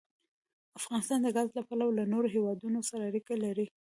افغانستان د ګاز له پلوه له نورو هېوادونو سره اړیکې لري.